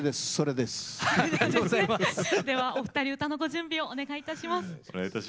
ではお二人歌のご準備をお願いいたします。